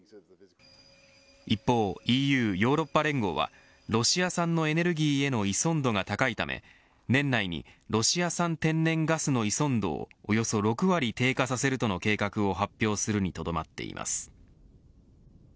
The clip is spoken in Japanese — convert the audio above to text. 一方、ＥＵヨーロッパ連合はロシア産のエネルギーへの依存度が高いため年内にロシア産天然ガスの依存度をおよそ６割低下させるとの計画を発表するにとどまっています。